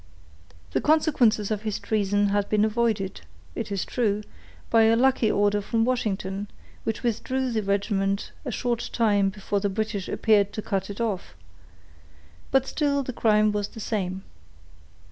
The consequences of his treason had been avoided, it is true, by a lucky order from Washington, which withdrew the regiment a short time before the British appeared to cut it off, but still the crime was the same.